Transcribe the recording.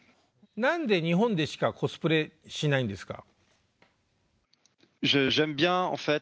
何で日本でしかコスプレしないんですか？